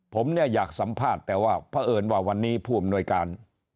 ผมเนี่ยอยากสัมภาษณ์แต่ว่าเพราะเอิญว่าวันนี้ผู้อำนวยการ